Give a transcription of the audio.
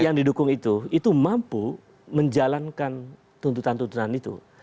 yang didukung itu itu mampu menjalankan tuntutan tuntutan itu